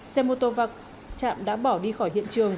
xe mô tô trạm đã bỏ đi khỏi hiện trường